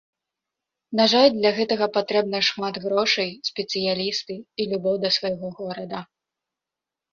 На жаль, для гэтага патрэбна шмат грошай, спецыялісты і любоў да свайго горада.